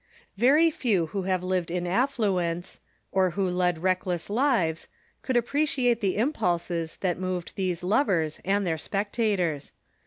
Very few who have lived in affluence, or who led reck less lives, could appreciate the impulses that moved these lovers and their spectators.